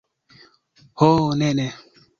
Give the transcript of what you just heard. Ho, ne! Ne!